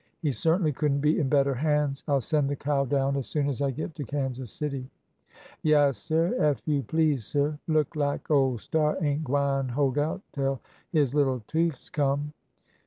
He certainly could n't be in better hands. I 'll send the cow down as soon as I get to Kansas City." "Yaassir; ef you please, sir. Look lak ole Star ain't gwine hold out tell his little toofies come."